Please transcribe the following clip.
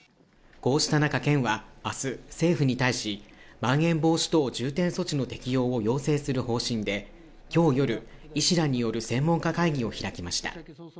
こうした中、県は明日、政府に対しまん延防止等重点措置の適用を要請する方針で今日夜、医師らによる専門家会議を開きました。